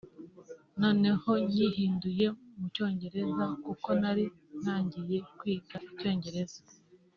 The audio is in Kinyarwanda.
noneho nyihinduye mu cyongereza kuko nari ntangiye kwiga icyongereza